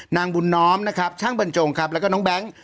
นางบุญน้อมนะครับช่างบรรจงครับแล้วก็น้องแบงค์